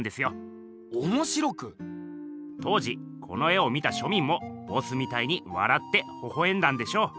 当時この絵を見た庶民もボスみたいにわらってほほえんだんでしょう。